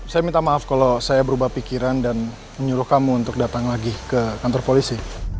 saya minta maaf kalau saya berubah pikiran dan menyuruh kamu untuk datang lagi ke kantor polisi